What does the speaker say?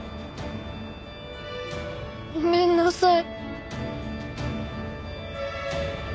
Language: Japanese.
ごめんなさい。